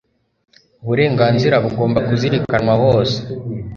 uburenganzira bugomba kuzirikanwa hose